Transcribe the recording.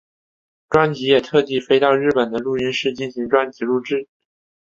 专辑也特地飞到日本的录音室进行专辑录制。